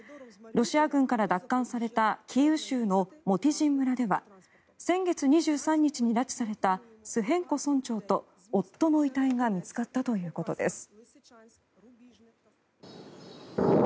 ロシア軍から奪還されたキーウ州のモティジン村では先月２３日に拉致されたスヘンコ村長と夫の遺体が見つかったということです。